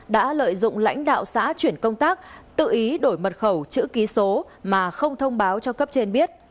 đã lợi dụng lãnh đạo xã chuyển công tác tự ý đổi mật khẩu chữ ký số mà không thông báo cho cấp trên biết